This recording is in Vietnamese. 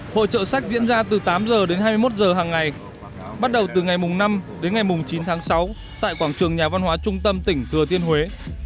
hội trợ sách diễn ra từ tám h đến hai mươi một h hàng ngày bắt đầu từ ngày năm đến ngày chín tháng sáu tại quảng trường nhà văn hóa trung tâm tỉnh thừa thiên huế